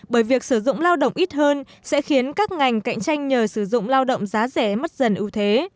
bởi việc sử dụng lao động ít hơn sẽ khiến các ngành cạnh tranh nhờ sử dụng lao động giá rẻ mất dần ưu thế